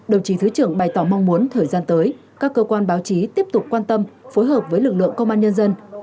đồng chí thứ trưởng bày tỏ mong muốn thời gian tới các cơ quan báo chí tiếp tục quan tâm phối hợp với lực lượng công an nhân dân